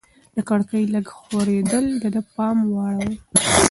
د کړکۍ لږ ښورېدل د ده پام واړاوه.